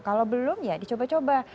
kalau belum ya dicoba coba